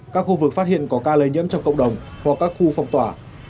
các khu vực phát hiện có ca lây nhiễm trong cộng đồng hoặc các khu phong tỏa